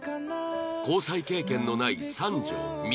交際経験のない三女美冬